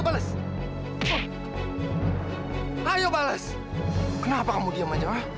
balas kenapa kamu diam aja ah